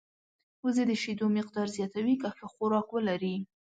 وزې د شیدو مقدار زیاتوي که ښه خوراک ولري